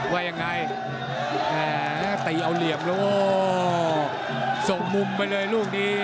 ว่ายังไงแหมตีเอาเหลี่ยมแล้วโอ้ส่งมุมไปเลยลูกนี้